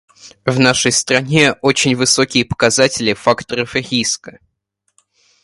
В нашей стране очень высокие показатели факторов риска.